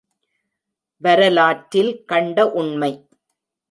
வரலற்றில் கண்ட உண்மை!